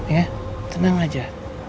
ya tenang aja